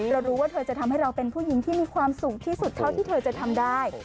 เรารู้ว่าเธอจะทำให้เราเป็นผู้หญิงที่มีความสุขที่สุดเท่าที่เธอจะทำได้